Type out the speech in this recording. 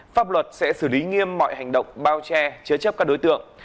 pháp luật sẽ xử lý nghiêm mọi hành động bao che chứa chấp các đối tượng